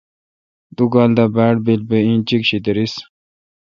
دو کال دا باڑ بیل بہ انچیک شی دریس۔